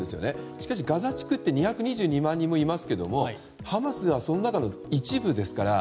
しかし、ガザ地区って２２２万人もいますけどハマスはその中の一部ですから。